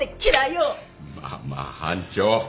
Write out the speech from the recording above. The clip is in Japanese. まあまあ班長。